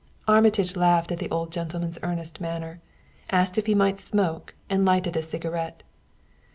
Armitage laughed at the old gentleman's earnest manner, asked if he might smoke, and lighted a cigarette.